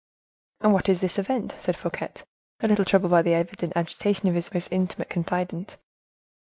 "And what is this event?" said Fouquet, a little troubled by the evident agitation of his most intimate confidant.